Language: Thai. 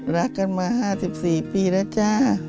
รักกันมา๕๔ปีแล้วจ้า